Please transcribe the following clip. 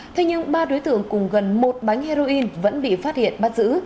thế nhưng ba đối tượng cùng gần một bánh heroin vẫn bị phát hiện bắt giữ